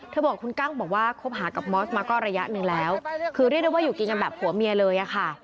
บอกคุณกั้งบอกว่าคบหากับมอสมาก็ระยะหนึ่งแล้วคือเรียกได้ว่าอยู่กินกันแบบผัวเมียเลยอะค่ะ